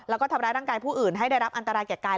แล้วก็ทำร้ายร่างกายผู้อื่นให้ได้รับอันตรายแก่กาย